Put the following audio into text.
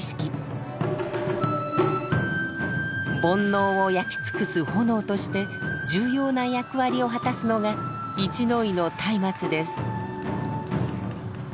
煩悩を焼き尽くす炎として重要な役割を果たすのが一ノ井の松明です。